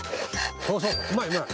そうそううまいうまい。